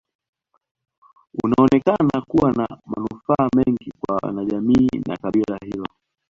Unaonekana kuwa na manufaa mengi kwa wanajamii wa kabila hilo